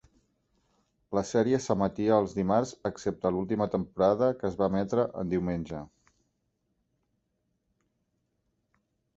La sèrie s'emetia els dimarts excepte l'última temporada que es va emetre en diumenge.